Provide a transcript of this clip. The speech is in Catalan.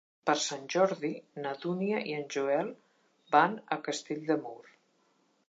Per Sant Jordi na Dúnia i en Joel van a Castell de Mur.